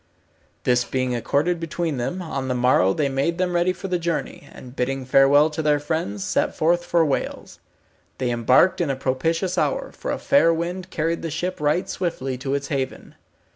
This being accorded between them, on the morrow they made them ready for the journey, and bidding farewell to their friends, set forth for Wales. They embarked in a propitious hour, for a fair wind carried the ship right swiftly to its haven.